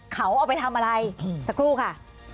เขาเอาไปทำอะไรสักครู่ค่ะ